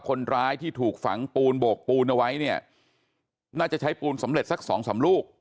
คนร้ายที่ถูกฝังปูนโบกปูนเอาไว้เนี่ยน่าจะใช้ปูนสำเร็จสักสองสามลูก